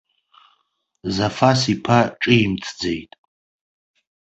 Зафас иԥа ҿимҭӡеит.